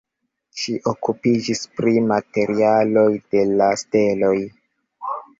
Ŝi okupiĝis pri materialoj de la steloj.